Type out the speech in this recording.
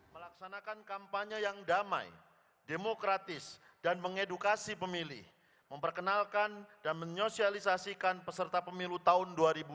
melaksanakan kampanye yang damai demokratis dan mengedukasi pemilih memperkenalkan dan menyosialisasikan peserta pemilu tahun dua ribu dua puluh